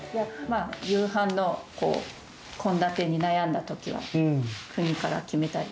夕飯の献立に悩んだときは、国から決めたり。